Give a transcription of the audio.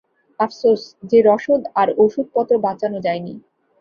আফসোস যে রসদ আর ওষুধপত্র বাঁচানো যায়নি।